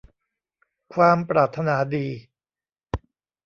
ความปรารถนาดี